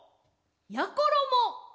やころも。